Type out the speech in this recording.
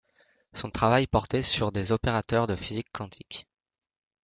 Son travail portait sur des opérateurs de physique quantique.